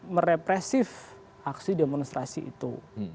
merepresif aksi demonstrasi itu